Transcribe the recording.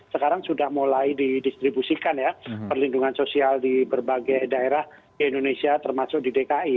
sekarang sudah mulai didistribusikan ya perlindungan sosial di berbagai daerah di indonesia termasuk di dki